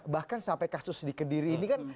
bahkan sampai kasus di kediri ini kan